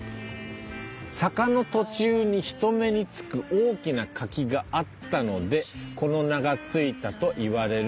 「坂の途中に人目につく大きな柿があったのでこの名がついたといわれる」